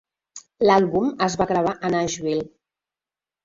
L'àlbum es va gravar a Nashville.